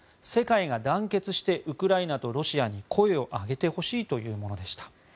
世界が団結してウクライナとロシアに声を上げてほしいというものでした。